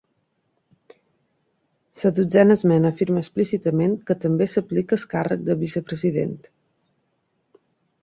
La Dotzena Esmena afirma explícitament que també s'aplica al càrrec de vicepresident.